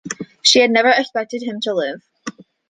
She had never expected him to live.